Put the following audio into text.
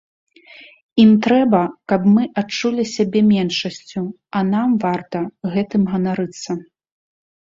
Ім трэба, каб мы адчулі сябе меншасцю, а нам варта гэтым ганарыцца.